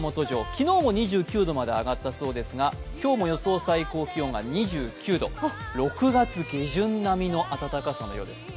昨日も２９度まで上がったそうですが今日も予想最高気温が２９度、６月下旬並みの暖かさのようです。